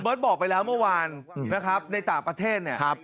บอกไปแล้วเมื่อวานนะครับในต่างประเทศเนี่ย